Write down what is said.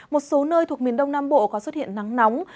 một số nơi thuộc miền đông nam bộ có xuất hiện nắng nóng